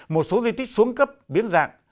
một số di tích xuống cấp biến dạng